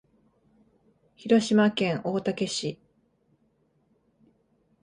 広島県大竹市